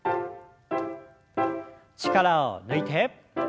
力を抜いて。